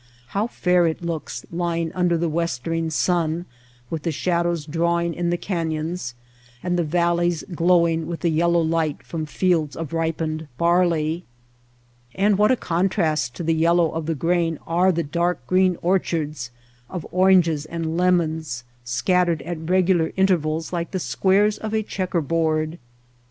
How fair it looks lying under the westering sun with the shadows drawing in the canyons, and the valleys glowing with the yellow light from fields of ripened barley ! And what a con trast to the yellow of the grain are the dark green orchards of oranges and lemons scat tered at regular intervals like the squares of a checker board